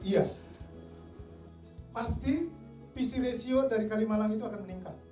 iya pasti pc ratio dari kalimalang itu akan menilai